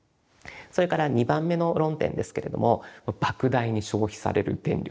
それから２番目の論点ですけれどもばく大に消費される電力。